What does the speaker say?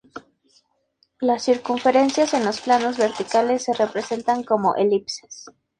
Las circunferencias en los planos verticales se representan como elipses.